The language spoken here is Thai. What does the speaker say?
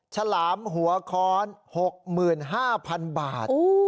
ฉลามหัวค้อนหกหมื่นห้าพันบาท